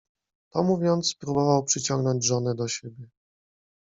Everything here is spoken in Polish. To mówiąc, próbował przyciągnąć żonę do siebie.